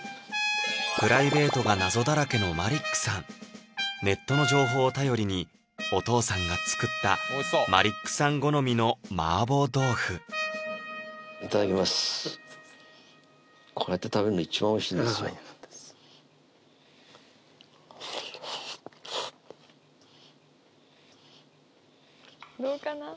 プライベートが謎だらけのマリックさんネットの情報を頼りにお父さんが作ったマリックさん好みの麻婆豆腐いただきますどうかな？